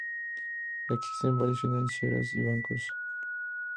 Existen varias financieras y bancos.